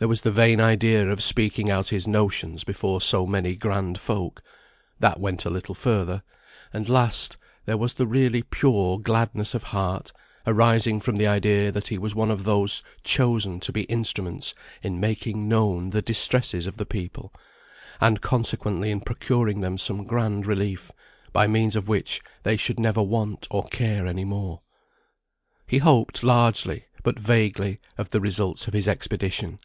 There was the vain idea of speaking out his notions before so many grand folk that went a little further; and last, there was the really pure gladness of heart, arising from the idea that he was one of those chosen to be instruments in making known the distresses of the people, and consequently in procuring them some grand relief, by means of which they should never suffer want or care any more. He hoped largely, but vaguely, of the results of his expedition.